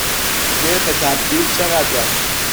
نرخ تبدیل چقدر است؟